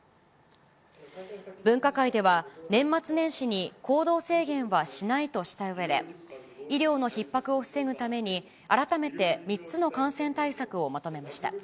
分科会では、年末年始に行動制限はしないとしたうえで、医療のひっ迫を防ぐために、改めて３つの感染対策をまとめました。